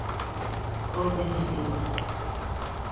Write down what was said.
Gol decisivo.